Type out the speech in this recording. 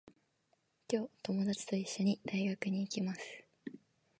今日、ともだちといっしょに、大学に行きます。